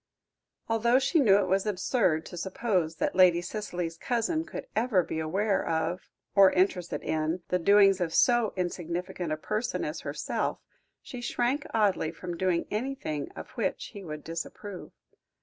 Although she knew it was absurd to suppose that Lady Cicely's cousin could ever be aware of, or interested in, the doings of so insignificant a person as herself, she shrank oddly from doing anything of which he would disapprove.